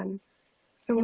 yang jalan tuh sakit banget